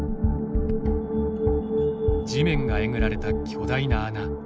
地面がえぐられた巨大な穴。